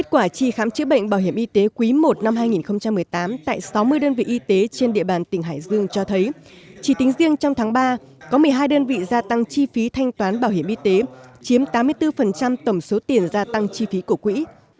kết quả bảo hiểm y tế quý i năm hai nghìn một mươi tám tại sáu mươi đơn vị y tế trên địa bàn tỉnh hải dương cho thấy chỉ tính riêng trong tháng ba có một mươi hai đơn vị gia tăng chi phí thanh toán bảo hiểm y tế chiếm tám mươi bốn tổng số tiền gia tăng chi phí của quỹ